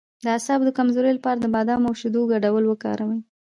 د اعصابو د کمزوری لپاره د بادام او شیدو ګډول وکاروئ